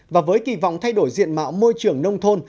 và với kỳ vọng thay đổi diện mạo môi trường nông thôn